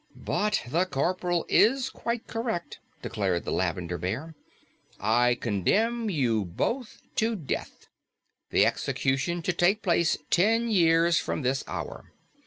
"But the Corporal is quite correct," declared the Lavender Bear. "I condemn you both to death, the execution to take place ten years from this hour."